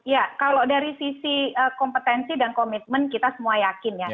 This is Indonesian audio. ya kalau dari sisi kompetensi dan komitmen kita semua yakin ya